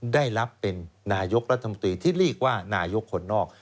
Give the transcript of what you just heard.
ได้รับเป็นนายกรัฐมนตรีที่เรียกว่านายกคนนอก